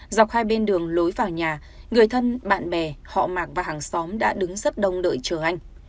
dọc hai bên đường lối vào nhà người thân bạn bè họ mạc và hàng xóm đã đứng rất đông đợi chờ anh